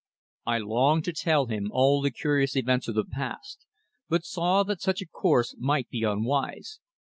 I longed to tell him all the curious events of the past, but saw that such a course would be unwise.